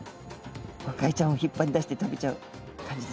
ゴカイちゃんを引っ張り出して食べちゃう感じです。